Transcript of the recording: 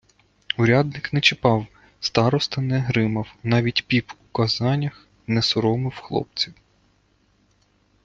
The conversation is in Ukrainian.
Урядник не чіпав, староста не гримав, навіть піп у казаннях не соромив хлопців.